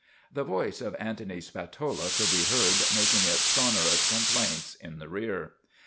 The voice of Antony Spatola could be heard mak ing its sonorous complaints in the rear.